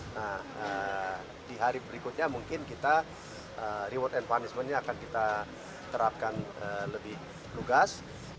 nah di hari berikutnya mungkin kita reward and punishment nya akan kita terapkan lebih lugas